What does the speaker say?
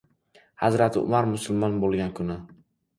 Hazrati Umar musulmon bo‘lgan kuni...